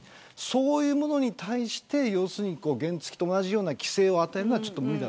そういうものに対して原付と同じような規制をするのは無理だ。